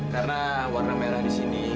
karena warna merah disini